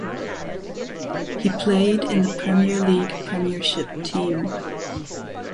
He played in the Premier League premiership team.